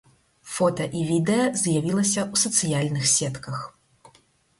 Фота і відэа з'явілася ў сацыяльных сетках.